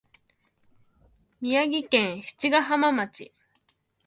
宮城県七ヶ浜町